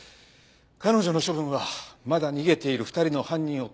彼女の処分はまだ逃げている２人の犯人を逮捕して。